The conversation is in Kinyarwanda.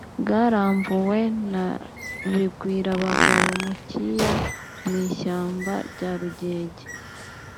Bwaramvuwe na Bigwirabagabo mu Cyiya (mu ishyamba rya Rugege)